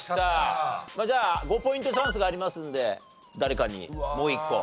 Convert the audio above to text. じゃあ５ポイントチャンスがありますので誰かにもう１個。